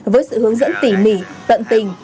với sự hướng dẫn tỉ mỉ tận tình